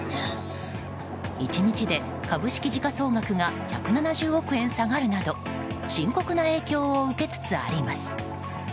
１日で株式時価総額が１７０億円下がるなど深刻な影響を受けつつあります。